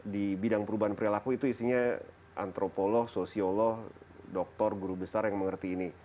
di bidang perubahan perilaku itu isinya antropolog sosiolog doktor guru besar yang mengerti ini